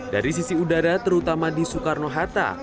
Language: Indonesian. dari sisi udara terutama di soekarno hatta